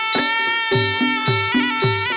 โชว์ที่สุดท้าย